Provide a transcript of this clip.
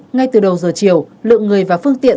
ngay từ đầu giờ chiều lượng người và phương tiện